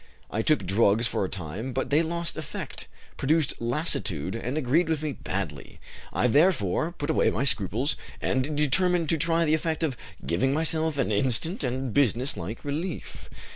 I took drugs for a time, but they lost effect, produced lassitude, and agreed with me badly. I therefore put away my scruples and determined to try the effect of giving myself an instant and business like relief.